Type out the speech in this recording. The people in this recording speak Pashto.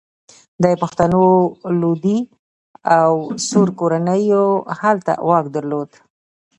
د پښتنو لودي او سور کورنیو هلته واک درلود.